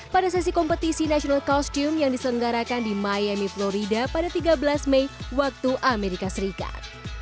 pada sesi kompetisi national costume yang diselenggarakan di miyami florida pada tiga belas mei waktu amerika serikat